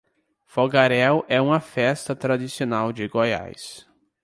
Fogaréu é uma festa tradicional de Goiás